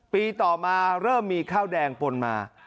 ปีต่อมาเริ่มมีข้าวแดงปนมา